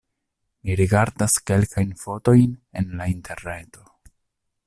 Mi rigardas kelkajn fotojn en la interreto.